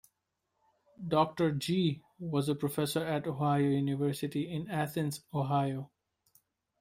Doctor Gyi was a professor at Ohio University in Athens, Ohio.